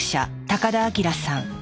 高田明さん。